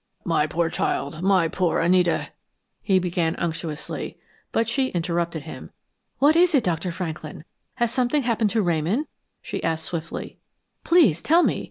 "My poor child, my poor Anita!" he began unctuously, but she interrupted him. "What is it, Dr. Franklin? Has something happened to Ramon?" she asked swiftly. "Please tell me!